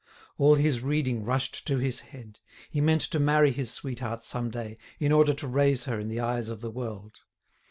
All his reading rushed to his head; he meant to marry his sweetheart some day, in order to raise her in the eyes of the world.